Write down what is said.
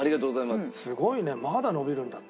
すごいねまだ伸びるんだって。